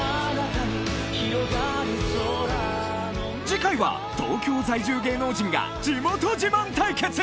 次回は東京在住芸能人が地元自慢対決！